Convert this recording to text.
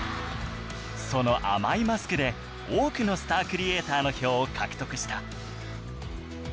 その甘いマスクで多くのスタークリエイターの票を獲得した